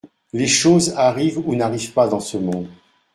Les choses arrivent ou n'arrivent pas dans ce monde.